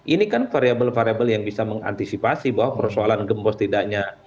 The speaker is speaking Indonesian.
ini kan variable variable yang bisa mengantisipasi bahwa persoalan gembos tidaknya